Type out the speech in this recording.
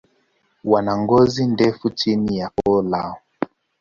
Wana ngozi ndefu chini ya koo lao.